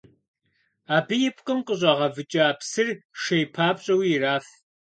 Абы и пкъым къыщӏагъэвыкӏа псыр шей папщӏэуи ираф.